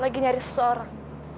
lagi nyari seseorang